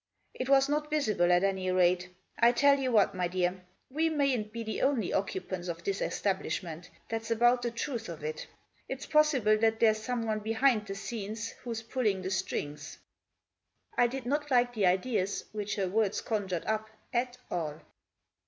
" It was not visible, at any rate. I tell you what, my dear, we mayn't be the only occupanta of this establishment, that's about the truth of it. It's possible that there's someone behind the scenes who's pulling the strings." I did not like the ideas which her words cofljured up at all.